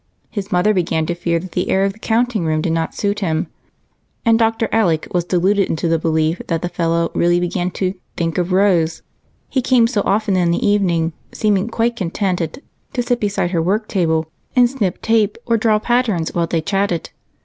His mother began to fear that the air of the counting room did not suit him, and Dr. Alec was deluded into the belief that the fellow really began to "think of Rose," he came so often in the evening, seeming quite content to sit beside her worktable and snip tape or draw patterns while they chatted.